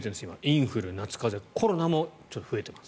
インフル、夏風邪コロナも増えています。